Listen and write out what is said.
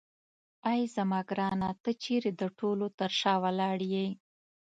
اې زما ګرانه ته چیرې د ټولو تر شا ولاړ یې.